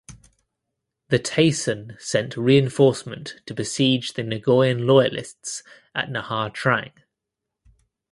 The Tayson sent reinforcement to besiege the Nguyen loyalists at Nha Trang.